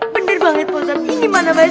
bener banget bahusat ini mana mana